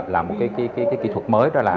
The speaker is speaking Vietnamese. làm một cái kỹ thuật mới